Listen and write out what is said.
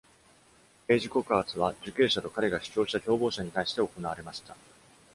刑事告発は、受刑者と彼が主張した共謀者に対して行われました。